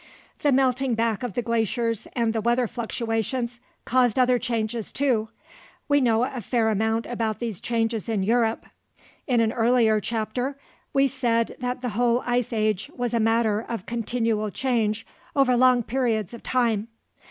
The melting back of the glaciers and the weather fluctuations caused other changes, too. We know a fair amount about these changes in Europe. In an earlier chapter, we said that the whole Ice Age was a matter of continual change over long periods of time.